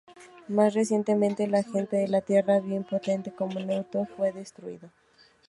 Más recientemente, la gente de la Tierra vio impotente cómo Neptuno fue destruido.